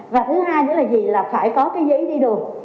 và thứ hai nữa là gì là phải có cái giấy đi đường